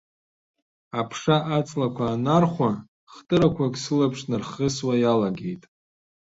Аԥша аҵлақәа анархәа, хтырақәак сылаԥш нархьысуа иалагеит.